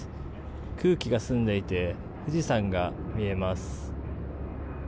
空気が澄んでいて富士山が見えます。